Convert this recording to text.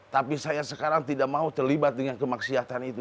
tapi saya sekarang tidak mau terlibat dengan kemaksiatan itu